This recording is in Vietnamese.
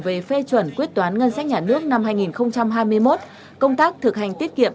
về phê chuẩn quyết toán ngân sách nhà nước năm hai nghìn hai mươi một công tác thực hành tiết kiệm